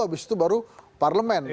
habis itu baru parlemen